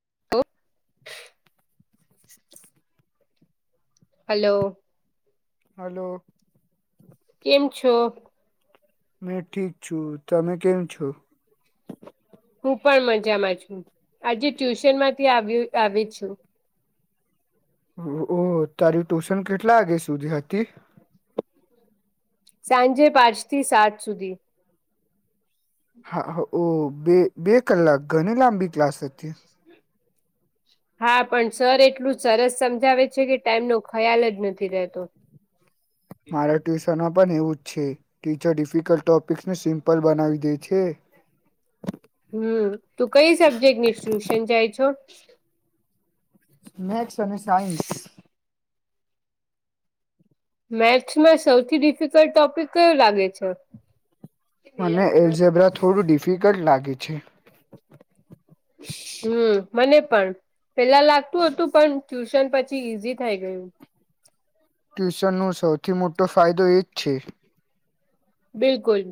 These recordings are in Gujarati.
[inaudible] [inaudible] હલો હલો કેમ છો. મેં ઠીક છું તમે કેમ છો. હું પણ મજામાં છુ, આજે ટ્યુશન માંથી આવ્યું આવી છુ. ઓ ઓ તારી ટ્યુશન કેટલા વાગ્યા સુધી હતી. સાંજે પાંચ થી સાત સુધી. હા ઓ બે બે કલાક ઘણી લાંબી ક્લાસ હતી. હ હા પણ સર એટલું સરસ સમજાવે છે કે ટાઈમનો ખ્યાલ જ નથી રહેતો. મારા ટ્યુશનમાં પણ એવું જ છે ટીચર ડિફિકલ્ટ ટોપિક્સને સિમ્પલ બનાવી દે છે. હમ તું કઈ સબ્જેક્ટ ની ટ્યુશન જાય છો. મેથ્સ અને સાયન્સ મેથ્સનો સૌથી ડિફિકલ્ટ ટોપિક કયો લાગે છે. મને એલ્ઝેબ્રા થોડું ડિફિકલ્ટ લાગે છે. હમ મને પણ પેલા લાગતુ હતુપણ ટ્યુશન પછી ઈઝી થઈ ગયુ. ટ્યુશનનો સૌથી મોટો ફાયદો એ જ છે. બિલકુલ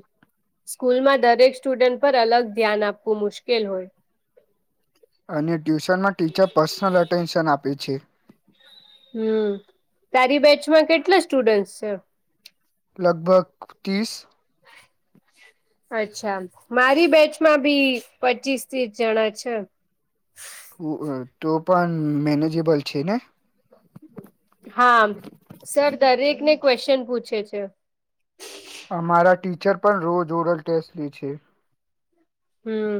સ્કૂલમાં દરેક સ્ટુડન્ટ પર અલગ ધ્યાન આપવું મુશ્કેલ હોય. અને ટ્યુશનમાં ટીચર પર્સનલ અટેન્શન આપે છે. હમ તારી બેચમાં કેટલા સ્ટુડન્ટસ છે. લગભગ ત્રીસ [inaudible] અચ્છા મારી બેચમાં ભી પચીસ ત્રીસ જણા છે. હું આ તો પણ મેનેજેબલ છે ને? હા સર દરેક ને ક્વેસ્ચેન પૂછે છે. અમારા ટીચર પણ રોજ ઓરલ ટેસ્ટ લે છે. હમ્મ,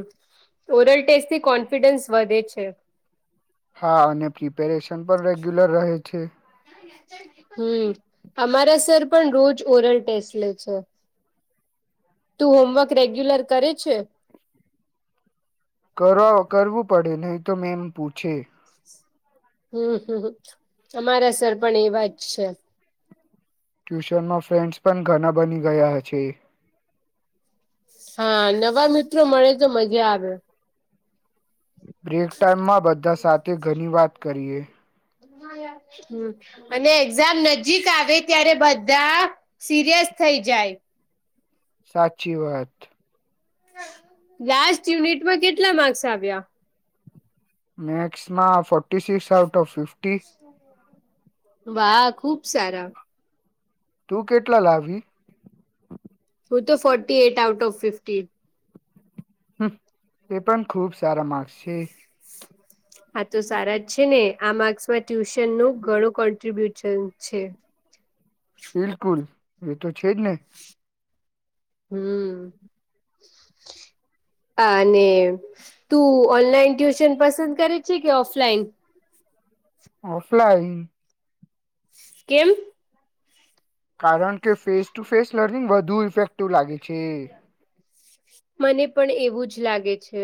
ઓરલ ટેસ્ટથી કોન્ફિડન્સ વધે છે. હા અને પ્રિપેરેશન પણ રેગ્યુલર રહે છે. હમ્મ, અમારા સર પણ રોજ ઓરલ ટેસ્ટ લે છે. તું હોમવર્ક રેગ્યુલર કરે છે? કરવા કરવું પડે નહી તો મેંમ પૂછે. હમ્મ, હમ્મ, હ અમારા સર પણ એવા જ છે. ટ્યુશનમાં ફ્રેન્ડ્સ પણ ઘણા બની ગયા હશે. હા નવા મિત્રો મળે તો મજા આવે. બ્રેક ટાઈમમાં બધા સાથે ઘણી વાત કરીએ. ના યાર. હમ્મ અને એક્ઝામ નજીક આવે ત્યારે બધા સિરયસ થઈ જાય. સાચી વાત. લાસ્ટ યુનિટમાં કેટલા માર્ક્સ આવ્યા? મેક્સમાં forty six out of fifty. વાહ ખુબ સારા. તું કેટલા લાવી? હું તો ફોર્ટીએટ આઉટ ઓફ ફિફ્ટી. હમ્મ તે પણ ખુબ સારા માર્ક્સ છે. હા તો સારા જ છે ને આ માર્ક્સમાં ટ્યુશનનું ઘણું કોન્ટ્રિબ્યુશન છે. બિલકુલ એ તો છે જ ને. હમ્મ. અને તું ઓનલાઈન ટ્યુશન પસંદ કરે છે કે ઓફલાઈન? ઓફલાઈન. કેમ? કારણ કે ફેસ ટુ ફેસ લર્નિંગ વધુ ઇફેક્ટિવ લાગે છે. મને પણ એવું જ લાગે છે.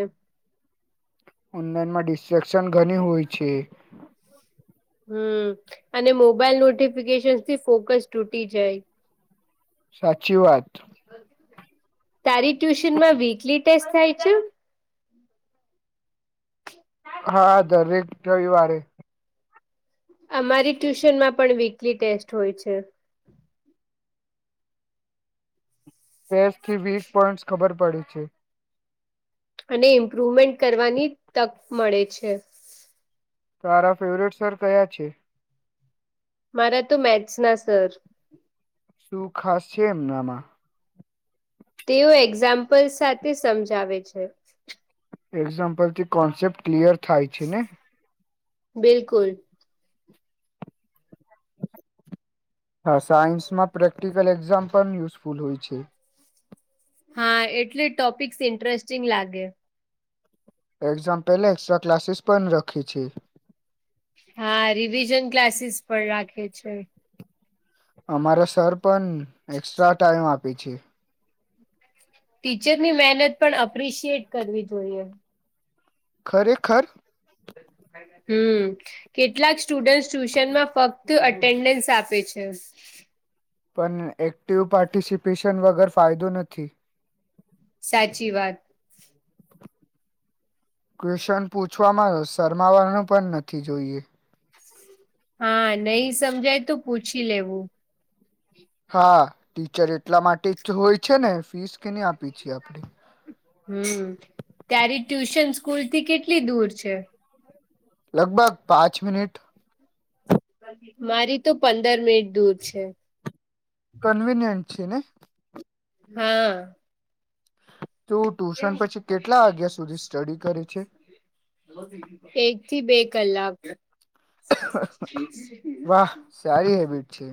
ઓનલાઈનમાં ડિસ્ટ્રેક્શન ઘણી હોય છે. હમ્મ અને મોબાઈલ નોટિફિકેશનથી ફોકસ તૂટી જાય. સાચી વાત. તારી ટ્યુશનમાં વીકલી ટેસ્ટ થાય છે? હા દરેક રવિવારે. અમારી ટ્યુશનમાં પણ વીકલી ટેસ્ટ હોય છે. ટેસથી વીક પોઈન્ટસ ખબર પડે છે. અને ઇમ્પ્રુવમેન્ટ કરવાની તક મળે છે. તારા ફેવરેટ સર કયા છે? મારા તો મેથ્સના સર. શું ખાસ છે એમનામાં? તેઓ એક્ઝામ્પલ સાથે સમજાવે છે. એક્ઝામ્પલથી કોન્સેપ્ટ ક્લિયર થાય છે ને? બિલકુલ. હા સાયન્સમાં પ્રેક્ટિકલ એક્ઝામ પણ યુઝફુલ હોય છે. હા એટલે ટોપિકસ ઇન્ટરેસ્ટિંગ લાગે એક્ઝામ પહેલા એક્સ્ટ્રા ક્લાસીસ પણ રખી છે. હા રિવિઝન ક્લાસીસ પણ રાખે છે. અમારા સર પન એકક્સ્ટ્રા ટાઈમ આપે છે. ટીચરની મહેનત પણ એપ્રિશિએટ કરવી જોઈએ ખરેખર હમ કેટલાક સ્ટુડન્ટસ ટ્યુશનમાં ફક્ત અટેન્ડન્સ આપે છે. પન એક્ટિવ પાર્ટિસિપેશન વગર ફાયદો નથી. સાચી વાત ક્વેશ્ચન પૂછવામાં શર્માવાનું પણ નથી જોઈએ. હા નહી સમજાય તો પૂછી લેવું હા ટીચર એટલા માટે જ હોય છે, ને ફીસ કેને આપી છીએ આપણે હમ ત્યારી ટ્યુશન સ્કૂલથી કેટલી દૂર છે. લગભગ પાંચ મિનીટ મારી તો પંદર મિનિટ દૂર છે. કન્વીિનિયન્ટ છે, ને? હા. તું ટ્યુશન પછી કેટલા વાગ્યા સુધી સ્ટડી કરે છે. એક થી બે કલાક વાહ સારી હેબિટ છે.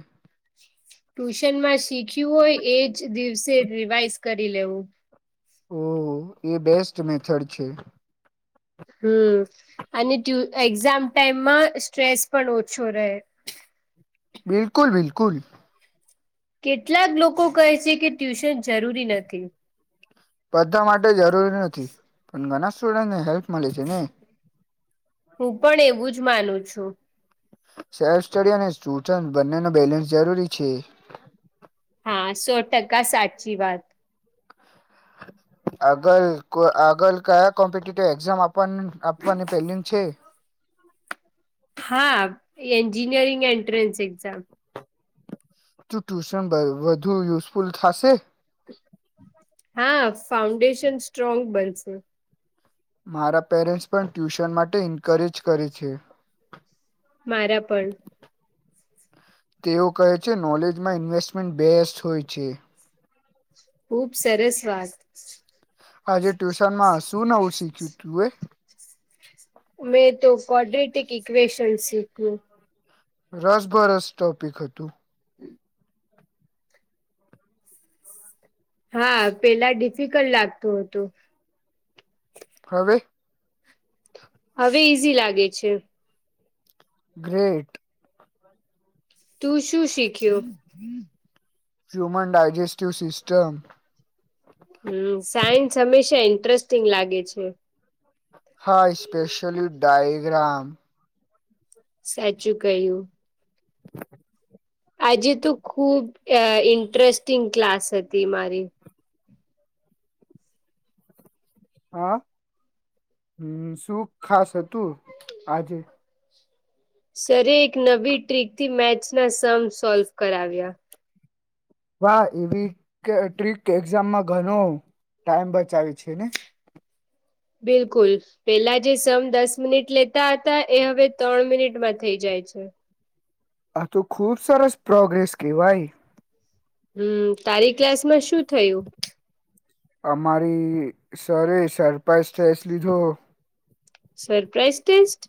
ટ્યુશનમાં શીખ્યું હોય એજ દિવસે રિવાઈઝ કરી લેવું ઓ એ બેસ્ટ મેથડ છે. હમ અને ટયુ એક્ઝામ ટાઈમમાં સ્ટ્રેસ પણ ઓછો રહે બિલકુલ બિલકુલ. કેટલાક લોકો કહે છે, કે ટ્યુશન જરૂરી નથી. બધા માટે જરૂરી નથી પણ ઘણા સ્ટુડન્ટને હેલ્પ મલે છે, ને હું પણ એવું જ માનું છું સેલ્ફ સ્ટડી અને સટુચન બંને નો બેલેન્સ જરૂરી છે. હા સો ટકા સાચી વાત આગલ કો આગલ કયા કોમ્પિટેટિવ એક્ઝામ આ પન આપવાની પેલિંગ છે. હા એન્જિનિયરિંગ એન્ટ્રન્સ એક્ઝામ તું ટ્યુશન વ વધુ યુઝફુલ થાશે હા ફાઉન્ડેશન સ્ટ્રોંગ બનશે મારા પેરેન્ટ્સ પણ ટ્યુશન માટે ઇન્કરેજ કરે છે. મારા પણ તેઓ કહે છે, નોલેજમાં ઇન્વેસ્ટમેન્ટ બેસ્ટ હોય છે. ખુબ સરસ વાત આજે ટ્યુશનમાં શું નવું શીખ્યું તું એ મેં તો કોડ્રેટિક ઈક્વેશન સીખયુ રસભરસ ટોપિક હતું. [inaudible] હા પેલા ડિફિકલ્ટ લાગતું હતું હવે હવે ઈઝી લાગે છે. ગ્રેટ. તું શું શીખ્યો? Human digestive system. હમ્મ. સાયન્સ હંમેશા ઇન્ટરેસ્ટિંગ લાગે છે. હા ઈસ્પેશિયલી ડાયગ્રામ. સાચું કહ્યું. આજે તું ખુબ ઇન્ટરેસ્ટિંગ ક્લાસ હતી મારી. હા. હમ્મ. શું ખાસ હતું આજે? સરે ઈ એક નવી ટ્રીક થી મેચના સમ સોલ્વ કરાવ્યા. વાહ! એવી ક ટ્રીક એક્ઝામમાં ઘણો ટાઈમ બચાવે છે ને? બિલકુલ. પહેલા જે સમ દસ મિનિટ લેતા હતા, એ હવે તણ મિનિટમાં થઈ જાય છે. આ તો ખુબ સરસ પ્રોગ્રેસ કહેવાય. હમ્મ. તારી ક્લાસમાં શું થયું? અમારી સરે સરપ્રાઈઝ ટેસ્ટ લીધો. Surprise test?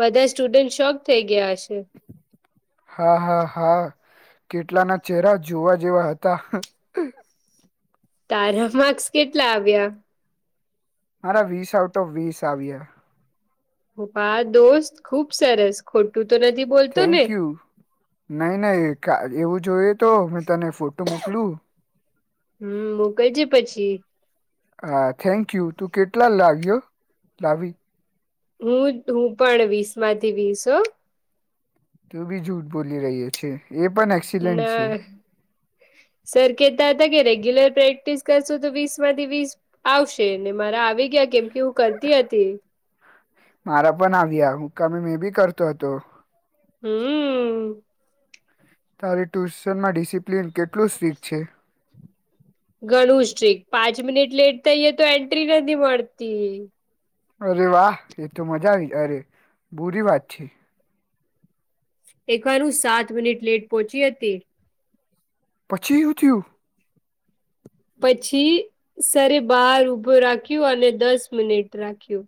બધા સ્ટુડન્ટ શોક થઈ ગયા હશે? હા, હા, હા, કેટલાના ચહેરા જોવા જેવા હતા. તારા માર્ક્સ કેટલા આવ્યા? મારા વીસ આઉટ ઓફ વીસ આવ્યા. વાહ દોસ્ત! ખુબ સરસ. ખોટું તો નથી બોલતો ને થેન્ક યુ. નહીં-નહીં. કા એવું જોઈએ તો મેં તને ફોટું મોકલું? હમ્મ. મોકલજે પછી. હા થેન્ક યુ. તું કેટલા લાવ્યો લાવી? હું જ હું પણ વીસ માંથી વીસ હો. તું બી જૂઠ બોલી રહ્યો છે. એ [unintelligible] છે ના. સર કહેતા હતા કે રેગ્યુલર પ્રેક્ટિસ કરશું તો વીસ માંથી વીસ આવશે, ને મારા આવી ગયા કેમ કે હું કરતી હતી. મારા પણ આવ્યા. હુંકામે મેં બી કરતો હતો. હમ્મ. તારે ટ્યુશનમાં ડિસિપ્લિન કેટલું સ્ટ્રીક છે? ઘણું સ્ટ્રીક. પાંચ મિનિટ લેટ થઈએ તો એન્ટ્રી નથી મળતી. અરે વાહ! એ તો મજા આવી, અરે બુરી વાત છે. એક વાર હું સાત મિનિટ લેટ પહોંચી હતી. પછી હું થયું? પછી સરે બહાર ઊભો રાખ્યું, અને દસ મિનિટ રાખ્યું.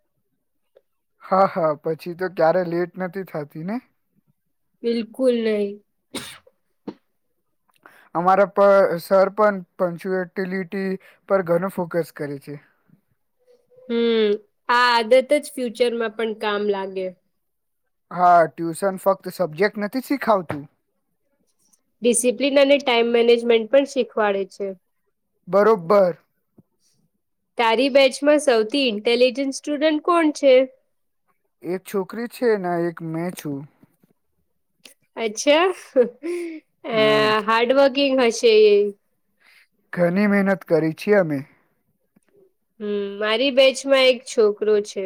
હા, હા. પછી તો ક્યારેય લેટ નથી થતી ને? બિલકુલ નહીં. અમારા પર સર પણ પંચુએટલિટી પર ઘણો ફોકસ કરે છે. હમ્મ. આ આદત જ ફ્યુચરમાં પણ કામ લાગે. હા. ટ્યુશન ફક્ત સબ્જેક્ટ નથી શીખાવતું ડિસિપ્લિન અને ટાઈમ મેનેજમેન્ટ પણ શીખવાડે છે. બરોબર. તારી બેચમાં સૌથી ઇન્ટેલિજન્ટ સ્ટુડન્ટ કોણ છે? એક છોકરી છે ને એક મેં છું. અચ્છા અ હા હાર્ડવર્કિંગ હશે એ. ઘણી મહેનત કરી છે અમે હમ મારી બેચમાં એક છોકરો છે.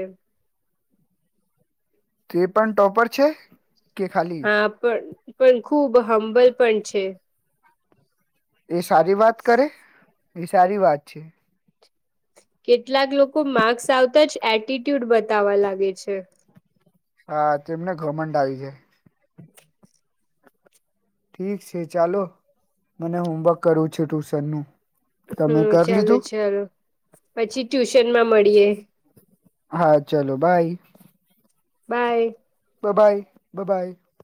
તે પણ ટોપર છે. કે ખાલી હા પણ પણ ખુબ હંબલ પણ છે. એ સારી વાત કરે એ સારી વાત છે. કેટલાક લોકો માર્ક્સ આવતા જ એટીટ્યુડ બતાવા લાગે છે. હા તેમને ઘમંડ આવી છે. ઠીક છે ચાલો મને હોમવર્ક કરવું છે ટ્યુશન નું હમ ચાલો ચાલો પછી ટ્યુશનમાં મળીએે. હા ચલો બાય. બાય. Bye-bye bye-bye.